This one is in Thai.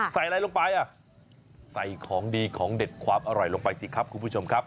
ใส่อะไรลงไปอ่ะใส่ของดีของเด็ดความอร่อยลงไปสิครับคุณผู้ชมครับ